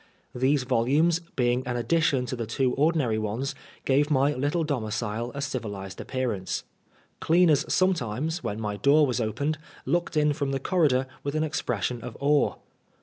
These volumes, being an addition to the two ordinary ones, gave my little domicile a civilised s^pearance. Cleaners sometimes, when my door was opened, looked in from the corridor with an expression of awe.